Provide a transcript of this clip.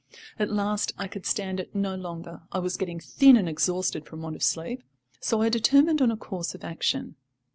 At last I could stand it no longer. I was getting thin and exhausted from want of sleep, so I determined on a course of action.